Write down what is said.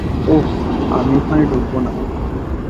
ওহ, আমি ওখানে ঢুকবো না।